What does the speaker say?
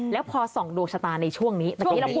แล้วพอส่งดวงชะตาในช่วงนี้